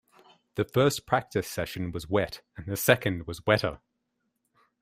The first practice session was wet, and the second was wetter.